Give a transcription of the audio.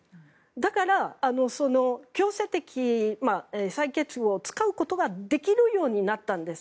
だから、強制的に採決を使うことができるようになったんです。